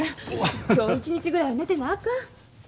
今日一日ぐらいは寝てなあかん。